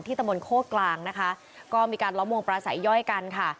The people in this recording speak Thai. ตะมนต์โคกลางนะคะก็มีการล้อมวงปลาสายย่อยกันค่ะ